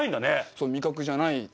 そう味覚じゃないって。